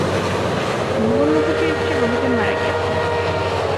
ভুবন মুখুজ্যের স্ত্রী বহুদিন মারা গিয়াছেন।